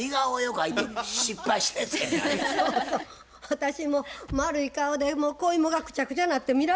私も丸い顔でこうイモがくちゃくちゃなって見られへん顔。